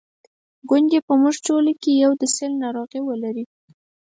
ګوندي په موږ ټولو کې یو د سِل ناروغي ولري.